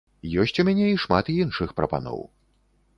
Ёсць у мяне і шмат іншых прапаноў.